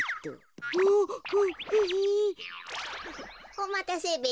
おまたせべ。